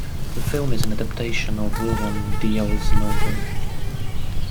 The film is an adaptation of William Diehl's novel.